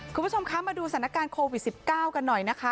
คุณผู้ชมคะมาดูสถานการณ์โควิด๑๙กันหน่อยนะคะ